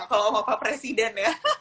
kalau bapak presiden ya